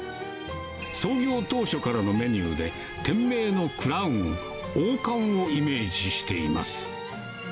創業当初からのメニューで、店名のクラウン・王冠をイメージしています。